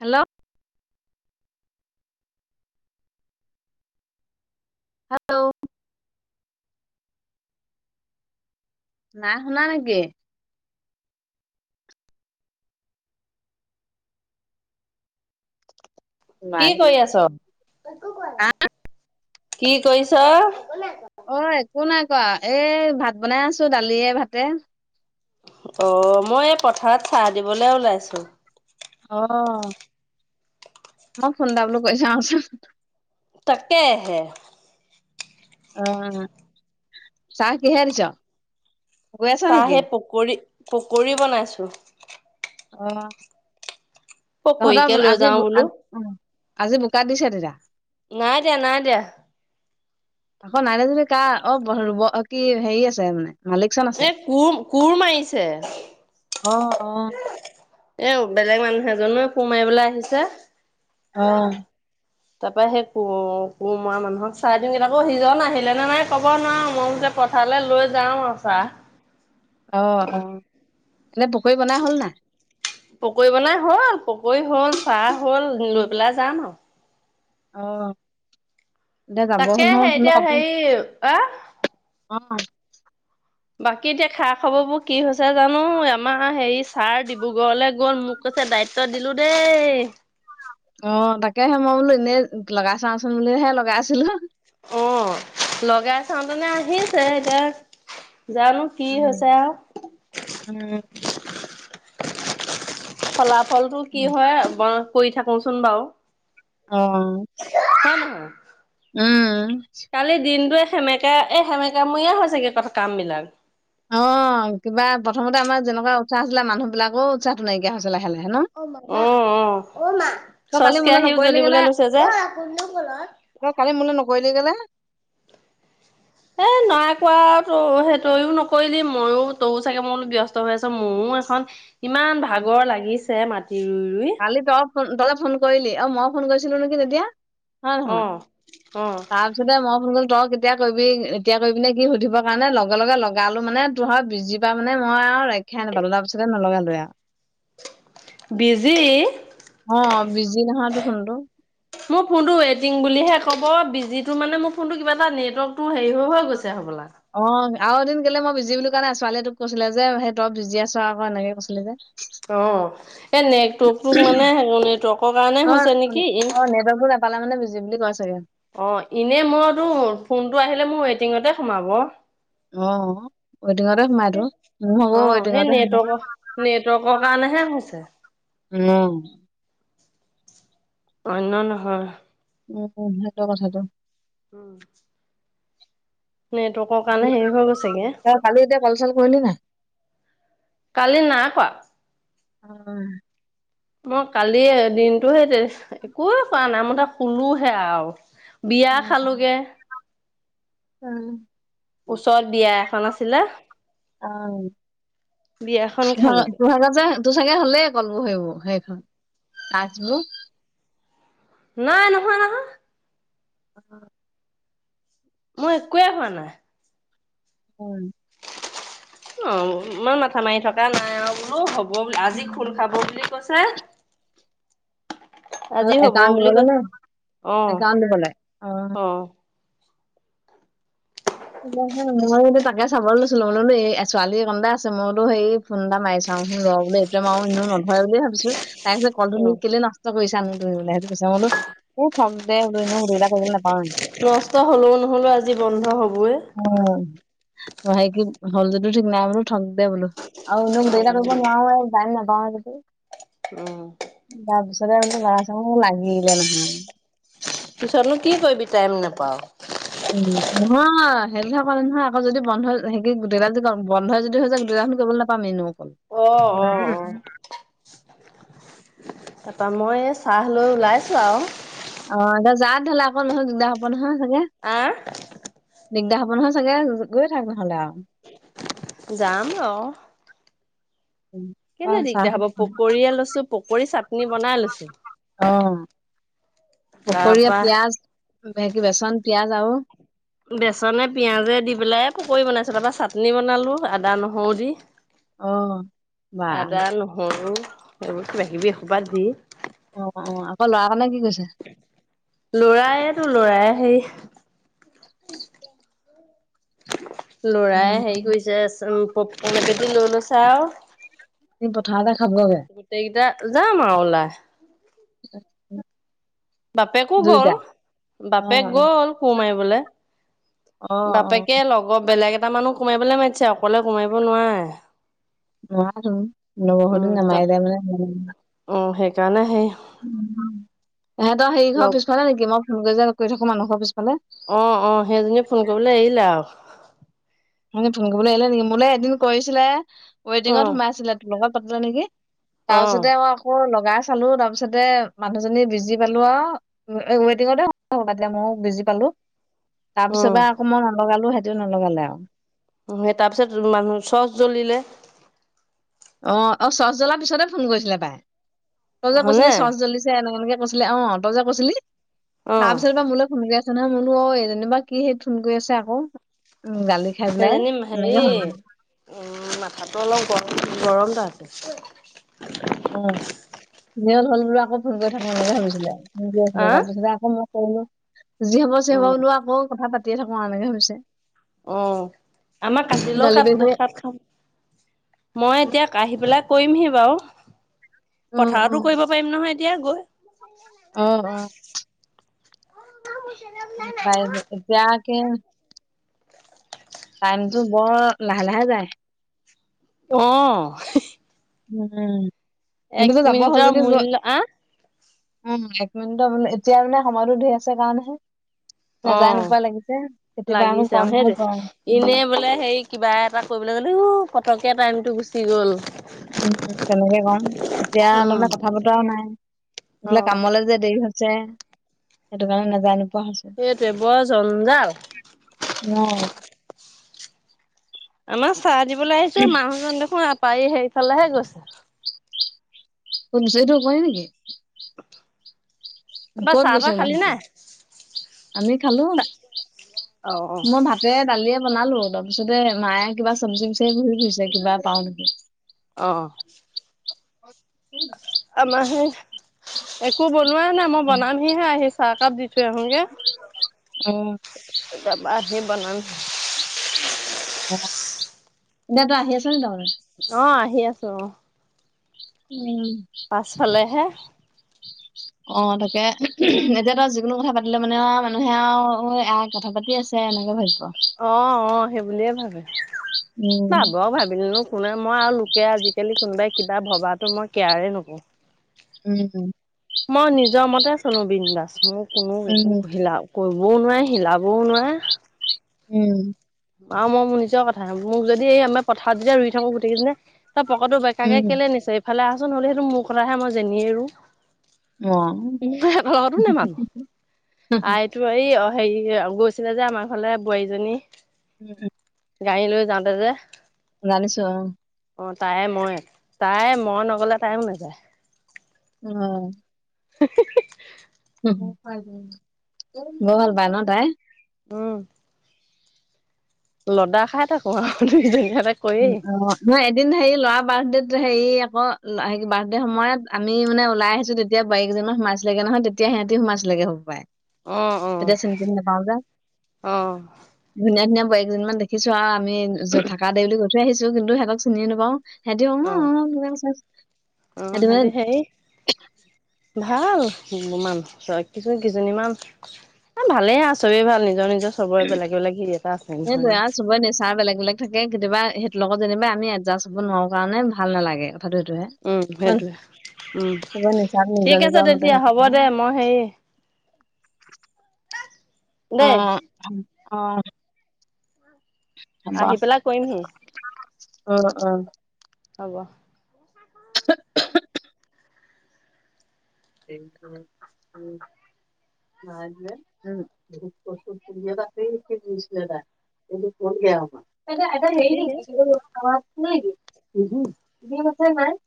Hello. Hello. নাই শুনা নেকি? কি কৰি আছ? একো কৰা নাই। কি কৰিছ? একো নাই কৰা। অ একো নাই কৰা। এই ভাত বনাই আছো দালিয়ে ভাতে। অঁ মই এই পথাৰত চাহ দিবলে ওলাইছোঁ। অহ, মই ফোন এটা বোলো কৰি চাওঁ চোন। তাকেহে। অঁ চাহ কিহে দিছ'? গৈ আছ চাহ নেকি? হেই পকৰি পকৰি বনাইছো। অঁ, পকৰীকে তহঁতৰ লৈ আজি যাও বোলো। আজি অঁ আজি বোকাত দিছে তেতিয়া। নাই দিয়া নাই দিয়া। আকৌ নাই যদি কাৰ? অ ৰুব কি হেৰি আছে মানে। মালিকচন এ আছে। কোৰ কোৰ মাৰিছে। অঁ অঁ। এ বেলেগ মানুহ এজনে কোৰ মাৰিবলৈ আহিছে। অঁ। তাৰ পৰা সেই কোৰ কোৰ মৰা মানুহক চাহ দিও তাকো সিজন আহিলে নে নাই ক'ব নোৱাৰো। মই বোলো পথাৰলে লৈ যাওঁ আও চাহ। অঁ অঁ, এনে পকৰি বনাই হ'ল নাই? পকৰি বনাই হ'ল। পকৰি হ'ল, চাহ হ'ল লৈ পেলাই যাম আৰু। অঁ এতিয়া যাব হ'ল তাকেহে এতিয়া নহয় হেৰি আহ [unintelligible] অঁ। বাকী এতিয়া খা খবৰ বোৰ কি হৈছে জানো। আমাৰ হেৰি ছাৰ ডিব্ৰুগড়লে গ'ল মোক কৈছে দায়িত্ব দিলো দেই। অঁ তাকেহে মই বোলো এনেই লগাই চাওঁচোন বুলিহে লগাইছিলোঁ। অঁ লগাই চাওঁতেনে আহিছে, এতিয়া জানো কি উম হৈছে আৰু উম। ফলাফলটো কি হয় [unintelligible] কৰি থাকোচোন বাৰু। অঁ। হয় নহয়? উম। কালি দিনটোৱে সেমেকা এই সেমেকামূৰীয়া হৈছেগে কথা কামবিলাক। অ কিবা প্ৰথমতে আমাৰ যেনেকুৱা উৎসাহ আছিলে মানুহ বিলাকৰো উৎসাহটো নাইকিয়া হৈছে লাহে লাহে ন? উম উম তই কালি চচ মোলৈ কেৰাহিও নকৰিলি জ্বলিবলৈ লৈছে যে। অ কালি মোলে নকৰিলি কেলে এ [inaudible] নাই কোৱা ত' সেই তইও নকৰিলি, মইও তোৰ চাগে মই ব্যস্ত হৈ আছ মইও এখন ইমান ভাগৰ লাগিছে মাটি ৰুই ৰুই। কালি তই ফোন তই যে ফোন কৰিলি, অ মই ফোন কৰিছিলো নেকি তেতিয়া। হয় অ নহয় অ বা মুঠতে মই ফোন কৰিলো তই কেতিয়া কৰিবি এতিয়া কৰিবিনে কি সুধিব কাৰণে লগে লগে লগালো মানে তোৰ ভাগ বিজি- কিবা মানে মই আৰু ৰক্ষাই নাপালো তাৰ পিছতে নলগালোয়ে আও। বিজি। অ বিজি নহয়তো ফোনটো। মোৰ ফোনটো ৱেইটিং বুলিহে ক'ব বিজিটো মানে মোৰ ফোনটো কিবা এটা নেটৱৰ্কটো হেৰি হৈ হৈ গৈছে হ'বলা অ আৰু এদিন কেলে মই বিজি বুলি কোৱা নাই ছোৱালীয়ে তোক কৈছিলে যে সেই তই বিজি‌ আছ আক এনেকে কৈছিল যে অ এই নেটৱৰ্কটো মানে নেটৱৰ্কৰ কাৰণে হৈছে নেকি ই পালে মানে বিজি বুলি কয় চাগে অ এনে মইতো ফোনটো আহিলে মোৰ ৱেটিঙতে সোমাব অ ৱেটিঙতে সোমাই ত, মো অ ভাগও সেই ৱেটিঙতে সোমাই নেটৱৰ্কৰ নেটৱৰ্কৰ কাৰণেহে হৈছে ঙ অন্য নহয় উম উ সেইটোৱে কথাটো উম নেটৱৰ্কৰ কাৰণে হেৰি হৈ গৈছেগে তই কালি এতিয়া কল চল কৰিলি নাই কালি নাই কৱা উ উম মই কালি দিনটো সেই তে একোৱে কৱা নাই মই ত শুলো হে আও উম উম ওচৰত বিয়া এখন আছিলে অ বিয়াখন তো ভাগ খালোগে তো ভাগ যে তোৰ চাগে হ'লেই কলবোৰ সেইবোৰ সেইখন টাস্কবোৰ নাই নহয় নহয় অ মই একোৱে হোৱা নাই উম অ ইমান মাথা মাৰি থকা নাই আৰু বোলো হ'ব আজি খোল খাব বুলি কৈছে অ আজি হ'ব একাউণ্ট বুলি দিবলে কৈছে নে অ একাউণ্ট দিবলে অ মই সে মই এতিয়া তাকে চাবলৈ দিছিলো মোলোতো এই ছোৱালী কন্দা আছে মই বোলো সেই ফোন এটা মাৰি চাও ৰ বোলো এ তোলে মাৰো এনো নধৰে বুলিয়ে ভাবিছো তাই কৈছে অ কলতোনো কেলে নষ্ট কৰিছানো তুমি বোলে সেটো তাছত মই বোলো এই থক দে বোলো এনেও গোটেইকেইটা কৰিব নাপাওয়ে নষ্ট হ'লেও নহ'লেও আজি বন্ধ হ'বয়ে উম সেই কি হল যদিও ঠিক নাই বোলো ঠক দে বোলো আও এনেও গোটেই কেইটা কৰিব নোৱাৰোয়ে টাইম নাপাও যদি উম তাৰ পিছতে বোলো লগাই চাও মোৰ লাগিলে নহয় পিছতনো কি কৰিবি টাইম নাপাও উম নহয় সেইটো কথা কোৱা নহয় আকৌ যদি বন্ধ হেই কি গোটেইকেইটা যদি বন্ধই যদি হৈ যায় গোটেইকেইটা কৰিব নে পামে এনেও কল অ সেই অ কথাটো অ কৈছো তাৰপৰা মই এই চাহ লৈ ওলাইছো আও। অ এতিয়া যা তেতিয়া হলে আকৌ নহলে দিগদাৰ হব নহয় চাগে? আহ দিগদাৰ হ'ব নহয় চাগে গৈ থাক নহ'লে আম যাম ৰ অ কেলে চাহ দিগদাৰ হ'ব পকৰীয়ে লৈছো পকৰী চাটনি বনাই লৈছো অ, পকৰীয়ে তাৰপা পিয়াজ ভে কি বেচন, পিয়াজ আৰু বেচনে, পিয়াজে দি পেলাই পকৰি বনাইছোঁ তাৰপৰা চাটনি বনালোঁ আদা, নহৰু দি। অ বা আদা, নহৰু এইবোৰ কিবা সিবি এসোপা দি। অ', অ', আকৌ ল'ৰা কাৰণে কি কৈছে? ল'ৰায় তো ল'ৰায় সেই লৰাই হেৰি কৰিছে পপকন এপেতি লৈ লৈছে আৰু। [unintelligible] পথাৰলে খাব লাগে। গোটেইকেইটা যাম আৰু ওলায়। [unintelligible] বাপেকো গ'ল দুইটা অ বাপেক গ'ল কোৰ মাৰিবলে। অ অ বাপেকে লগৰ বেলেগ এটা মানুহ কোৰ মাৰিবলে মাতিছে অকলে কোৰ মাৰিব নোৱাৰে। নোৱাৰোঁ [unintelligible] নেমাৰিলে বোলে [unintelligible] অ, সেইকাৰণে সেই উম, এহেতৰ হেৰি ঘৰ লগ পিছফালে নেকি মই ফোন কৰি যে কৈ থাকো মানুহ ঘৰ পিছফালে? অ', অ', সেইজনীয়ে ফোন কৰিবলে এৰিলে আৰু। মানে ফোন কৰিবলে এৰিলে নেকি মোলে এদিন কৰিছিলে অ ৱেটিঙত সোমাইছিলে তোৰ লগত পাতোতে নেকি? তাৰপিছতে অ, আকৌ লগাই চালো তাৰ পিছতে মানুহজনী বিজি পালো আওঁ। এ ৱেটিঙতে হ'ব বাদ দিয়া মইও বিজি পালোঁ। তাৰপিছৰ বা উম আকৌ মই নলগালোঁ সেহঁতেও নলগালে আওঁ। উহু, সেই তাৰপিছত মানুহ চচ জ্বলিলে। অ', অ', চচ জ্বলাৰ পিছতে ফোন কৰিছিলে পাই তই যে কৈছিলি হয়নে? চচ জ্বলিছ তে এনেকে -এনেকে কৈছিলে অ, তই যে কৈছিলি অ তাৰপিছৰ বা মুলে [unintelligible] জানা মই বুলো অ, এই যেনিবা কি হেইত ফোন কৰি আছে আকৌ? উম, গালি খাই পেলাই সেইজনী এনেকে হেৰি হৈ গৈছলে। উম, মাথাটো অলপ গৰম -গৰম তাহাতে। উম, জেল হ'ল বোলো আকৌ ফোন কৰি থাকিব নালাগে ভাবিছিলে [unintelligible] আহ তাৰপিছতে আকৌ মোক চাই লোৱা যি হব চি অ হব বুলো আকৌ কথা পাতিয়ে থাকো আ এনেকে ভাবিছে। অ, আমাক কাটিলেও গালি কাত না পাৰিছে কাত খাত মই উম এতিয়া কাহী পেলাক কৰিমহি বাৰু উম উম পথাৰতো কৰিব পাৰিম নহয় এতিয়া গৈ? উম- উম বাই হে এতিয়াকে টো বৰ লাহে -লাহে যায়। অ, [unintelligible] উম, এক কিন্তুতো যাব হ'ল মিনিটৰ যদি যোৱা। মূল্য আ উম, এক মিনিটৰ মানে এতিয়া মানে সময়টো ধৰি আছে কাৰণেহে। অ, নাযায় নোপোৱা লাগিছে কেতিয়াবা আকৌ লাগিছে কম আৰু হৈ পৰে সেইটোৱে উম ইনে বোলে হেৰীক কিবা এটা কৰিবলৈ গ'লেও পটককে টাইমটো গুচি গ'ল। উম, তেনেকে কম এতিয়া তাৰমানে অ', কথা- বতৰা নাই এইফালে কামলে যে দেৰি হৈছে। যে সেইটোকাৰণে নেজাই নোপোৱা হৈছে। সেইটোৱে বৰ জঞ্জাল। [unintelligible] আমাৰ চাহ দিবলৈ আহিছোঁ মানুহজন দেখোন আপাৰি সেইফালেহে গৈছে। কোনটো এইটো কৰে নেকি? তাৰপা কত চাহ গৈছো তাহ খালি মানুহটো নাই? আমি খালো অ', অ'। মই ভাত ভাতে দালিয়ে বনালো, তাৰপিছতে মায়ে কিবা চবজি বিচাৰি ঘুৰি ফুৰিছে কিবা পাও নেকি। অ, [unintelligible] আমাহে এক একো বনোৱাই নাই মই বনামহিহে আহি চাহকাপ দি থৈ আহোগে। অ এতিয়া বাদ হে বনাম। অ, দেতা আহি আছে নিকি তহঁতৰ? অ, আহি আছো। উম। পাছফালেহে। অ তাকে উহুহুম, এতিয়া তো যিকোনো কথা পাতিলে মানে মানুহে আৰু কথা পাতি আছে এ এনেকে ভাবিব। অ অ সেই বুলিয়ে ভাবে উম ভাবক ভাবিলনো শোনে মই আৰু লোকে আজিকালি কোনোবাই কিবা ভবাটো মই কেয়াৰেই নকৰো। উম। মই নিজৰ মতে চলো বিন্দাচ মোৰ কোনো একো হিলা, কৰিবও নোৱাৰে সিলাবও নোৱাৰে। উম। আহ মই মোৰ নিজৰ কথা, মোক যদি এই আমি পথাৰ যেতিয়া ৰুই থাকো গোটেইকেজনী তই পকটো ব কাকে উম কেলে নিচ ইফালে আহচোন হ'লে সেইটো মোৰ কথাহে মই যেনিয়ে ৰু, অ উ হেতলগতো নাই মানুহ আই, ত এই হেৰি গৈছিলে যে আমাৰ ঘৰলে বোৱাৰীজনী, উম উম। গাড়ী লৈ যাওতে যে, জানিছো অ। অ তাই মই, তাই মই নগলে তাইও নাযায়। অ, হ [unintelligible] উম, বৰ ভাল পায় ন তাই? উম, লদা খাই থাকো আৰু দুই জনীয়ে তাতে, [unintelligible] নহয় এদিন হেৰি ল'ৰা বাৰ্থডে হেৰি আকৌ হে বাৰ্থডেৰ সময়ত আমি মানে ওলাই আহিছো তেতিয়া, তেতিয়া বোৱাৰীকেইজনী মান সোমাইছিলেগে নহয়, তেতিয়া সিহঁতি সোমাইছিলেগে হপাই। অ অ তেতিয়া চিনি তিনি নাপাওঁ যে। অ ধুনীয়া ধুনীয়া বোৱাৰীকেইজনী মান দেখিছো আৰু আমি থাকা দেই বুলি কৈ থৈ আহিছো, কিন্তু সিহতক চিনি নাপাও। সিহঁটোও অ অ অ সেটি সিহঁতি মানে। হেৰি ভাল মান কি কিজনীমান। ভালেই আৰু চবেই ভাল নিজৰ নিজৰ চবৰে বেলেগে বেলেগ ই এটা আছে নহয় আৰু চবৰে নেচাৰ বেলেগ বেলেগ। থাকে কেতিয়াবা, সেইটোৰ লগত যেনিবা আমি এডজাষ্ট হ'ব নোৱাৰোঁ কাৰণে ভাল নালাগে কথাটো সেইটোহে। উম নহয়? সেইটোৱে, উম চবৰে নেচাৰ নিজৰ ঠিক নিজৰ আছে তেতিয়া মতেহে হ'ব থাকিব দে মই হেৰি- অ দেই অ, হব, আহি পেলাই কৰিমহি উম উম। হ'ব। [inaudible] [unintelligible] উম, নে বহুত কষ্ট আছিল [unintelligible] এইটো [unintelligible] আদ হেৰি কাটি দে নেকি [unintelligible]